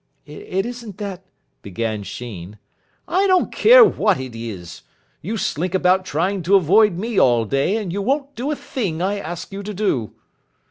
"It isn't that " began Sheen. "I don't care what it is. You slink about trying to avoid me all day, and you won't do a thing I ask you to do."